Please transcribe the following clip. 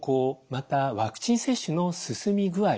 またワクチン接種の進み具合